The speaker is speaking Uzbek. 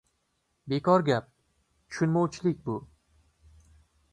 Bekor gap. Tushunmovchilik bu.